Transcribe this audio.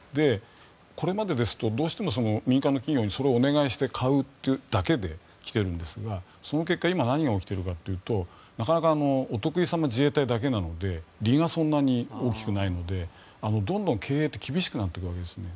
これまでですとどうしても民間の企業にそれをお願いして買うというだけで来ているんですがその結果、今何が起きているかというとお得意様は自衛隊だけなので利がそんなに大きくないのでどんどん経営って厳しくなっていくわけですね。